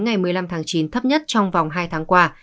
ngày một mươi năm tháng chín thấp nhất trong vòng hai tháng qua